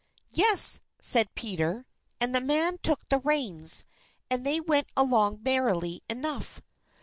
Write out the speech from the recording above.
"Yes," said Peter. And the man took the reins, and they went along merrily enough.